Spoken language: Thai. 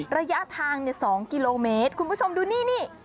ระยะทาง๒กิโลเมตรคุณผู้ชมดูนี่นี่